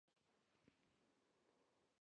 ایا ستاسو ویره ختمه شوه؟